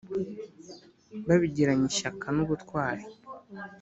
babigiranye ishyaka n ubutwari